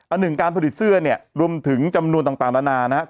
หนึ่งการผลิตเสื้อเนี่ยรวมถึงจำนวนต่างนานานะครับ